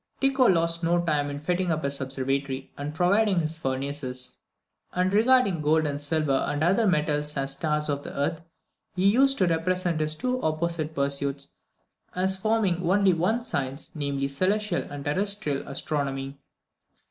Tycho lost no time in fitting up his observatory, and in providing his furnaces; and regarding gold and silver and the other metals as the stars of the earth, he used to represent his two opposite pursuits as forming only one science, namely, celestial and terrestrial astronomy.